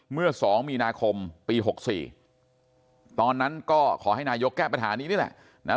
เมื่อ๒มีนาคมปี๖๔ตอนนั้นก็ขอให้นายกแก้ปัญหานี้นี่แหละนะ